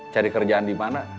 cari kerjaan dimana